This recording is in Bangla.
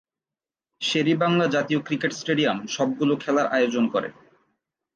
শের-ই-বাংলা জাতীয় ক্রিকেট স্টেডিয়াম সব গুলো খেলার আয়োজন করে।